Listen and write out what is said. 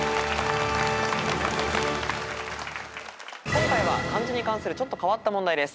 今回は漢字に関するちょっと変わった問題です。